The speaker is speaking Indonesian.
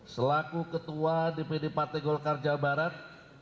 selaku ketua dpd partai golkar jawa barat